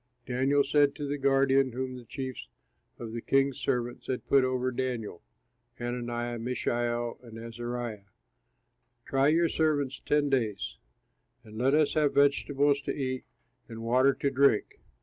Daniel said to the guardian whom the chief of the king's servants had put over Daniel, Hananiah, Mishael, and Azariah, "Try your servants ten days; and let us have vegetables to eat and water to drink.